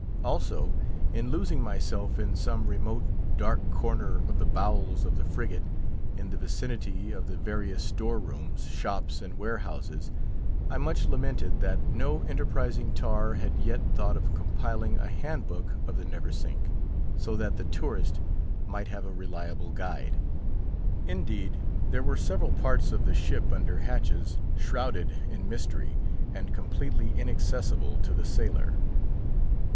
Also, in losing myself in some remote, dark corner of the bowels of the frigate, in the vicinity of the various store rooms, shops, and warehouses, I much lamented that no enterprising tar had yet thought of compiling a Hand book of the Neversink, so that the tourist might have a reliable guide. Indeed, there were several parts of the ship under hatches shrouded in mystery, and completely inaccessible to the sailor.